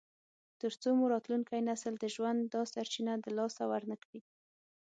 تر څو مو راتلونکی نسل د ژوند دا سرچینه د لاسه ورنکړي.